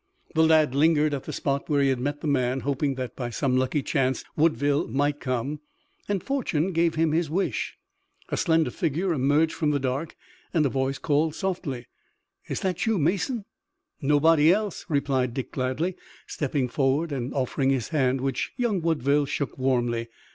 The lad lingered at the spot where he had met the man, hoping that by some lucky chance Woodville might come, and fortune gave him his wish. A slender figure emerged from the dark, and a voice called softly: "Is that you, Mason?" "Nobody else," replied Dick gladly, stepping forward and offering his hand, which young Woodville shook warmly.